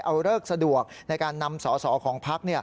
เอาเลิกสะดวกในการนำสอสอของพัก